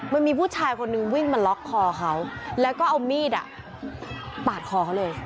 มันมีผู้ชายคนนึงวิ่งมาล็อกคอเขาแล้วก็เอามีดปาดคอเขาเลย